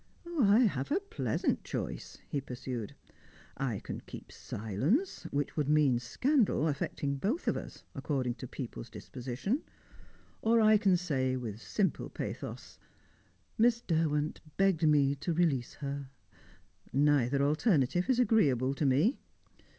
"I have a pleasant choice," he pursued. "I can keep silence which would mean scandal, affecting both of us, according to people's disposition. Or I can say with simple pathos, 'Miss Derwent begged me to release her.' Neither alternative is agreeable to me.